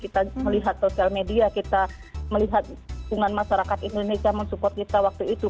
kita melihat sosial media kita melihat hubungan masyarakat indonesia mensupport kita waktu itu